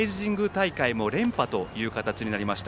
大会も連覇という形になりました。